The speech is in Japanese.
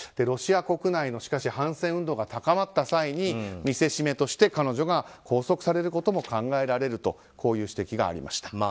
ロシア国内の反戦運動が高まった際に見せしめとして彼女が拘束されることも考えられるとこういう指摘がありました。